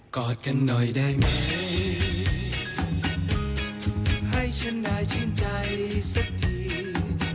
กอดกันหน่อยได้ไหมให้ฉันน่าชื่นใจสักที